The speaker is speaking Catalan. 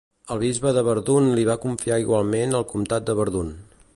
El bisbe de Verdun li va confiar igualment el comtat de Verdun.